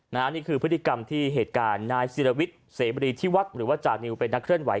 นี่คือพฤติกรรมที่เหตุการณ์นายศิรวิทย์เสมรีที่วัดหรือว่าจานิวเป็นนักเคลื่อนไห